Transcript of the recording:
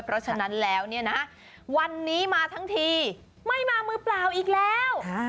เพราะฉะนั้นแล้วเนี่ยนะวันนี้มาทั้งทีไม่มามือเปล่าอีกแล้ว